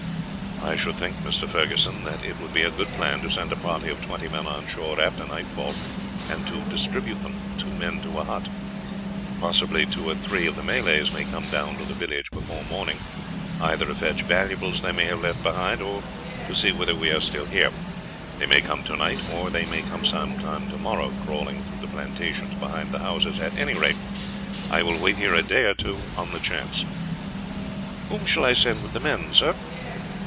"I should think, Mr. Ferguson, that it would be a good plan to send a party of twenty men on shore after nightfall and to distribute them, two men to a hut. Possibly two or three of the Malays may come down to the village before morning, either to fetch valuables they may have left behind, or to see whether we are still here. They may come tonight, or they may come some time tomorrow, crawling through the plantations behind the houses. At any rate, I will wait here a day or two on the chance." "Whom shall I send with the men, sir?"